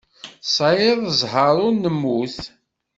Tesεiḍ ẓẓher ur nemmut.